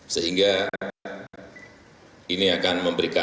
sehingga ini akan memperbaiki